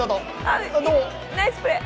ナイスプレー！